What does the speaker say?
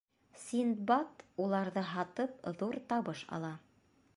Синдбад, уларҙы һатып, ҙур табыш ала.